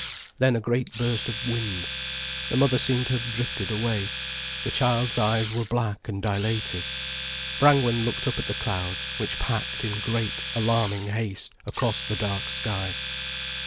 Then a great burst of wind, the mother seemed to have drifted away, the child's eyes were black and dilated. Brangwen looked up at the clouds which packed in great, alarming haste across the dark sky.